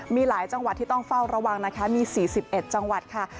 มีหลายจังหวัดที่ต้องเฝ้าระวังนะคะมี๔๑จังหวัดค่ะ